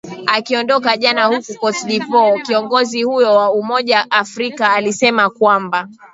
akiondoka jana huku cote de voire kiongozi huyo wa umoja afrika alisema kwamba